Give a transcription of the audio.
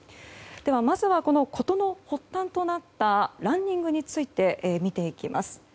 では、まずは事の発端となったランニングについて見ていきます。